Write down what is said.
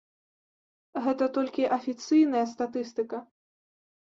Гэта толькі афіцыйная статыстыка.